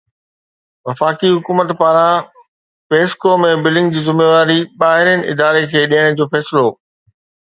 وفاقي حڪومت پاران پيسڪو ۾ بلنگ جي ذميواري ٻاهرين اداري کي ڏيڻ جو فيصلو